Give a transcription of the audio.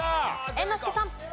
猿之助さん。